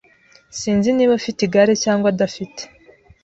Sinzi niba afite igare cyangwa adafite.